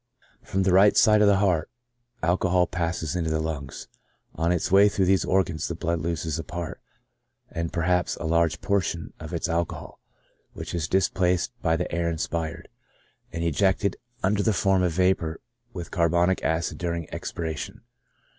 From the right side of the heart, al 12 ON THE ACTION OF cohol passes into the lungs. On its way through these organs the blood loses a part, and perhaps a large proportion of its alcohol, which is displaced by the air inspired, and ejected under the form of vapor with carbonic acid during expiration.